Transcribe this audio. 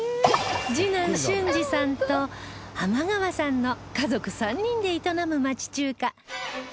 次男俊二さんと天川さんの家族３人で営む町中華